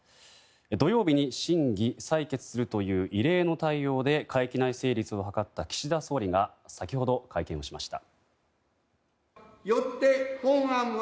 土曜日に審議・採決するという異例の対応で会期内成立を図った岸田総理が先ほど会見しました。